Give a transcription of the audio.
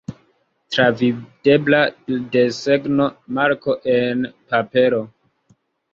Travidebla desegno, marko, en papero.